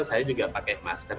saya juga pakai masker